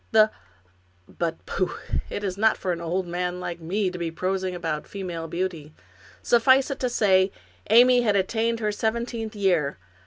The — but pooh ! it is not for an old man like me to be prosing about female beauty; suffice it to say, Amy had attained her seventeenth year.